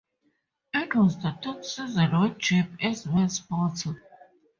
It was the third season with Jeep as main sponsor.